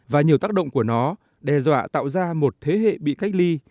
và nhiều tác động của nó đe dọa tạo ra một thế hệ bị cách ly